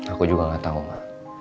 aku juga gak tau ma